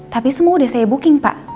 tapi semua udah saya booking pak